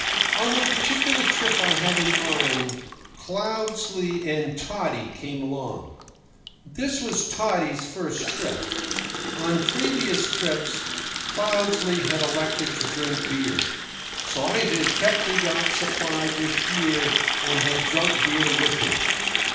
On the particular trip I have in mind, Cloudesley and Toddy came along. This was Toddy's first trip. On previous trips Cloudesley had elected to drink beer; so I had kept the yacht supplied with beer and had drunk beer with him.